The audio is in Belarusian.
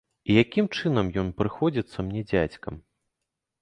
І якім чынам ён прыходзіцца мне дзядзькам?